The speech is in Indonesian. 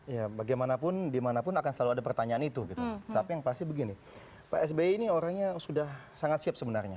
ya bagaimanapun dimanapun akan selalu ada pertanyaan itu gitu tapi yang pasti begini pak sby ini orangnya sudah sangat siap sebenarnya